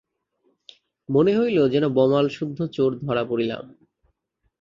মনে হইল, যেন বমালসুদ্ধ চোর ধরা পড়িলাম।